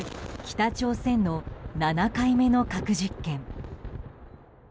北朝鮮の７回目の核実験。